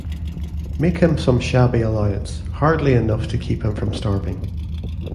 Make him some shabby allowance, hardly enough to keep him from starving.